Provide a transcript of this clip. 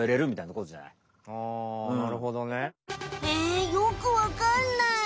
えよくわかんない。